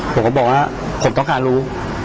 ผมก็บอกว่าผมต้องการรู้